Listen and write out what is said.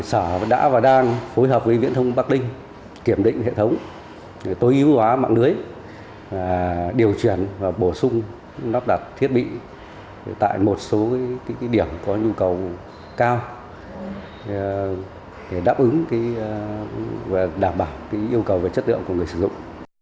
sở đã phối hợp với viễn thông bắc ninh kiểm định hệ thống tối ưu hóa mạng lưới điều chuyển và bổ sung lắp đặt thiết bị tại một số điểm có nhu cầu cao để đảm bảo yêu cầu về chất lượng của người sử dụng